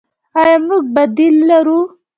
آیا موږ بدیل لرو؟